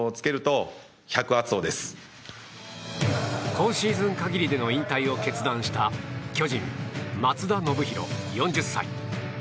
今シーズン限りでの引退を決断した巨人、松田宣浩、４０歳。